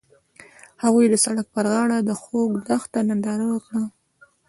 هغوی د سړک پر غاړه د خوږ دښته ننداره وکړه.